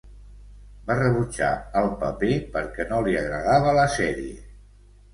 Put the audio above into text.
Va rebutjar el paper perquè no li agradava la sèrie.